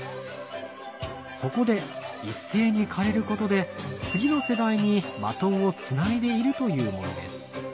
そこで一斉に枯れることで次の世代にバトンをつないでいるというものです。